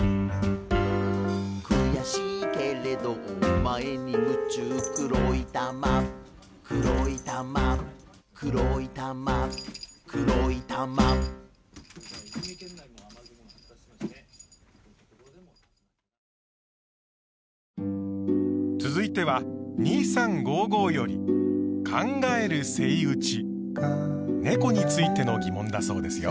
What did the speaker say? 「くやしいけれどお前に夢中黒い玉黒い玉」「黒い玉黒い玉」続いては「２３５５」よりねこについての疑問だそうですよ。